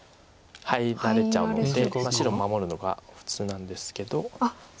入られちゃうので白守るのが普通なんですけど。